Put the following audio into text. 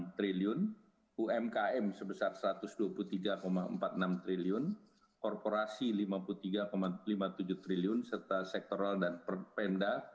satu ratus dua puluh satu ratus dua puluh enam triliun umkm sebesar satu ratus dua puluh tiga empat enam triliun korporasi lima puluh tiga lima tujuh triliun serta sektor dan perpenda